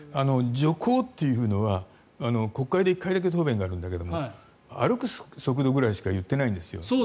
徐行というのは国会で１回だけ答弁があるんだけど歩く速度くらいしか言ってないんですよ。